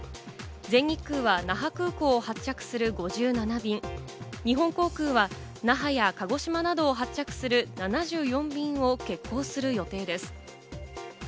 全日空は那覇空港を発着する５７便、日本航空は那覇や鹿児島などを発着する７４便を欠航する予定です。